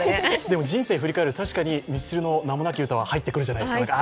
人生を振り返ると確かにミスチルの「名もなき詩」って入ってくるじゃないですか。